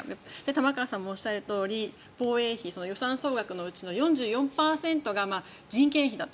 玉川さんもおっしゃるとおり防衛費予算総額のうちの４４％が人件費だと。